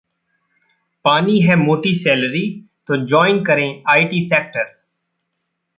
पानी है मोटी सैलरी तो ज्वाइन करें आईटी सेक्टर